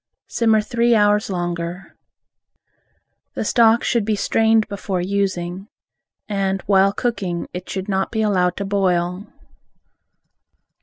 Simmer three hours longer. The stock should be strained before using, and while cooking it should not be allowed to boil.